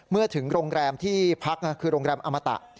เมื่อถึงโรงแรมที่พักคือโรงแรมอมตะ